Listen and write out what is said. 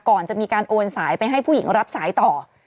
ก่อนจะมีการโอนสายไปให้ผู้หญิงรับสายต่อ